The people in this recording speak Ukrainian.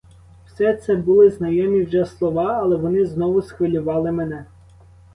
Все це були знайомі вже слова, але вони знову схвилювали мене.